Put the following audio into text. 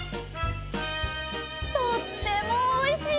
とってもおいしい！